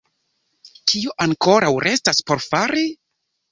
Kio ankoraŭ restas por fari?